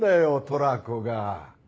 トラコが。